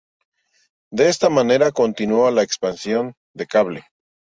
De esta manera continuó la expansión de cable.